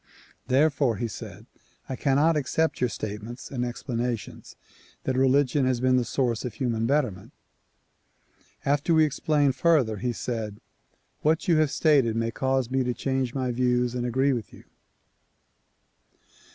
107 108 THE PROMULGATION OF UNIVERSAL PEACE "Therefore," he said "I cannot accept your statements and ex planations that religion has been the source of human betterment. '' After we explained further he said "What you have stated may cause me to change my views and agree with you."